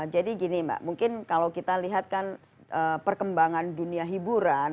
jadi gini mbak mungkin kalau kita lihatkan perkembangan dunia hiburan